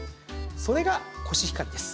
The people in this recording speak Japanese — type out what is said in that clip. それがコシヒカリです。